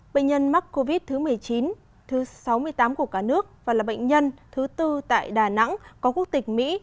bệnh nhân mắc covid thứ một mươi chín thứ sáu mươi tám của cả nước và là bệnh nhân thứ tư tại đà nẵng có quốc tịch mỹ